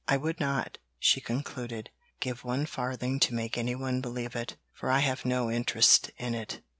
I would not," she concluded "give one farthing to make anyone believe it, for I have no interest in it."'